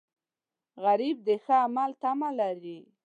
غریب د ښه عمل تمه لري